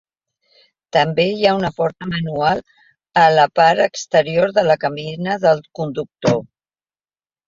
També hi ha una porta manual a la part exterior de la cabina del conductor.